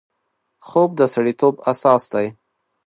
خوب د سړیتوب اساس دی